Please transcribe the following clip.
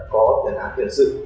có tiền án tuyển sự